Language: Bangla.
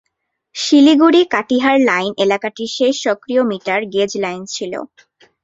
শিলিগুড়ি-কাটিহার লাইন এলাকাটির শেষ সক্রিয় মিটার গেজ লাইন ছিল।